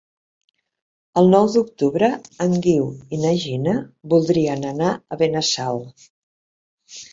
El nou d'octubre en Guiu i na Gina voldrien anar a Benassal.